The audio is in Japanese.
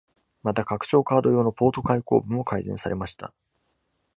また、拡張カード用のポート開口部も改善されました。